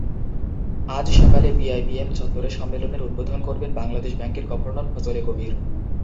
আজ সকালে বিআইবিএম চত্বরে সম্মেলনের উদ্বোধন করবেন বাংলাদেশ ব্যাংকের গভর্নর ফজলে কবির।